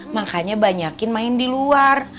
makanya banyakin main di luar